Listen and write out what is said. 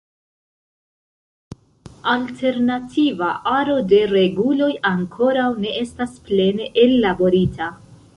Alternativa aro de reguloj ankoraŭ ne estas plene ellaborita.